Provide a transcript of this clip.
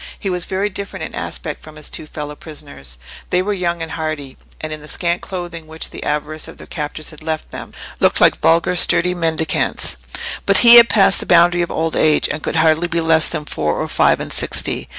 He was very different in aspect from his two fellow prisoners. They were young and hardy, and, in the scant clothing which the avarice of their captors had left them, looked like vulgar, sturdy mendicants. But he had passed the boundary of old age, and could hardly be less than four or five and sixty.